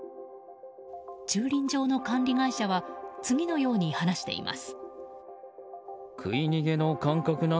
駐輪場の管理会社は次のように話しています。